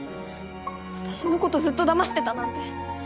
私の事ずっとだましてたなんて。